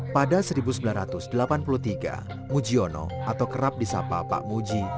pada seribu sembilan ratus delapan puluh tiga mujiono atau kerap disapa pak muji